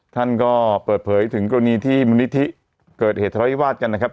ท่านก็เปิดเผยถึงกรณีที่มูลนิธิเกิดเหตุทะเลาวิวาสกันนะครับ